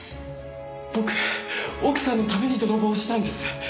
僕奥さんのために泥棒したんです。